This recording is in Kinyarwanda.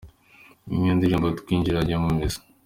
Iyi niyo ndirimbo twinjiranye mu misa.